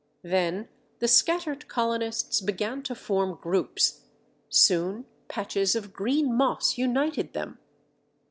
Then the scattered colonists began to form groups; soon patches of green moss united them.